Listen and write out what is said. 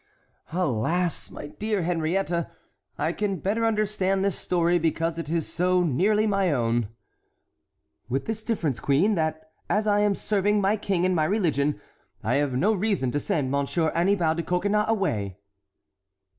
"Alas, my dear Henriette, I can better understand this story because it is so nearly my own." "With this difference, queen, that as I am serving my King and my religion, I have no reason to send Monsieur Annibal de Coconnas away."